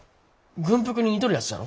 軍服に似とるやつじゃろ。